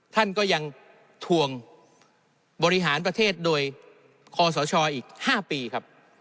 ท่านก็ยังทวงบริหารประเทศโดยคอสชอีก๕ปีครับ